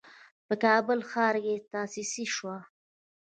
په کابل ښار کې تأسيس شوه.